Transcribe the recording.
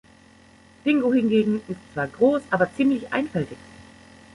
Dingo hingegen ist zwar groß, aber ziemlich einfältig.